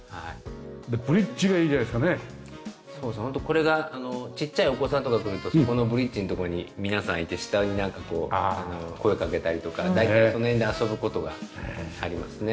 本当これがちっちゃいお子さんとかだとやっぱりそこのブリッジのとこに皆さんいて下になんかこう声をかけたりとか大体その辺で遊ぶ事がありますね。